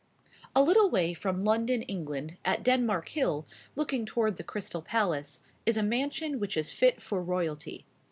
A little way from London, England, at Denmark Hill, looking toward the Crystal Palace, is a mansion which is fit for royalty.